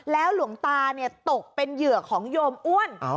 แล้วหลวงตานี่ตกเป็นหยือกของโยมอ้วน